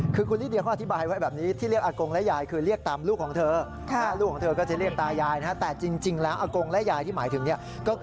คือคุณลิเดียเขาอธิบายไว้แบบนี้